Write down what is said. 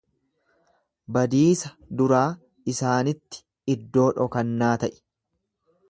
Badiisa duraa isaanitti iddoo dhokannaa ta'i.